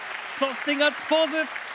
そして、ガッツポーズ！